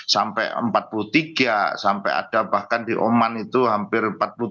sampai empat puluh tiga sampai ada bahkan di oman itu hampir empat puluh tujuh